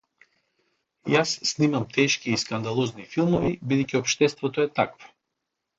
Јас снимам тешки и скандалозни филмови бидејќи општеството е такво.